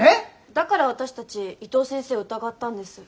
だから私たち伊藤先生を疑ったんです。